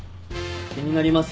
気になります？